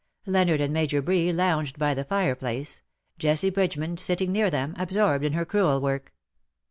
Leonard and Major Bree lounged by the fireplace, Jessie Bridgeman sitting near them, absorbed in her crewel work.